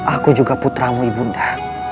aku juga putramu ibu nda